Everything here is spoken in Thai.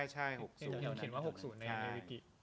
เห็นว่า๖๐ในเวลาไหร่กี่